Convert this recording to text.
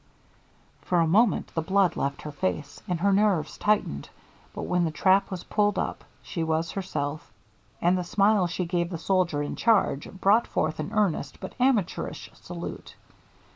For a moment the blood left her face, and her nerves tightened, but when the trap was pulled up she was herself, and the smile she gave the soldier in charge brought forth an earnest but amateurish salute.